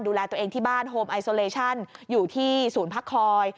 ดูแลตัวเองที่บ้านโฮมไอโซเลชั่นอยู่ที่ศูนย์พักคอย